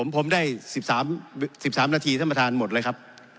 ผมได้๑๓นาทีท่านประธานหมดเลยครับ